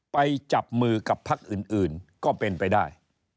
ไปจับมือกับพักอื่นก็เป็นไปได้